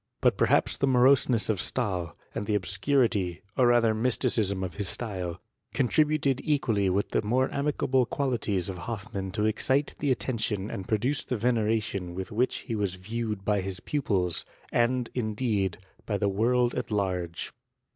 But per hi^ the moroseness of Stahl, and the obscurity, or ra^r mysticism of his style, contributed equally with the more amiable qualities of Hofimann to excite the attention and produce the veneration with which he was viewed by his pupils, and, indeed, by the world at large.